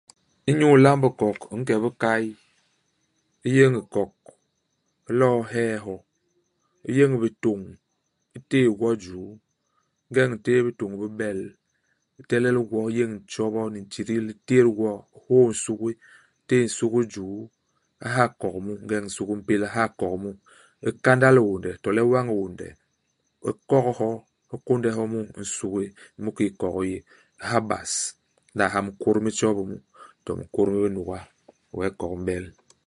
Inyu ilamb hikok, u nke i bikay, u yeñ hikok, u lo'o u hee hyo. U yéñ bitôñ, u téé gwo i juu. Ingeñ u ntéé bitôñ bi bél, u telel gwo. U yéñ ntjobo ni ntidil. U tét gwo. U hôô nsugi. U téé nsugi i juu. U ha hikok mu ; ingeñ nsugi u mpél u ha hikok mu. U kandal hiônde, to le u wañ hiônde. U kok hyo. U kônde hyo mu i nsugi, mu kiki hikok hi yé. U ha bas. U nla ha minkôt mi tjobi mu, to minkôt mi binuga. Wee hikok hi m'bel.